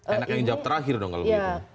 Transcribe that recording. enak yang jawab terakhir dong kalau begitu